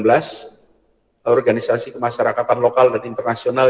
atau organisasi masyarakat lokal dan internasional